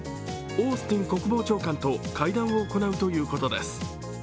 オースティン国防長官と会談を行うということです。